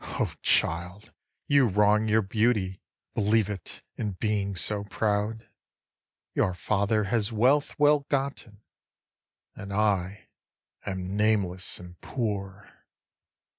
O child, you wrong your beauty, believe it, in being so proud; Your father has wealth well gotten, and I am nameless and poor.